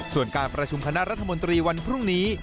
ส่วนการประชุมคณะรัฐมนตรีวันพรุ่งนี้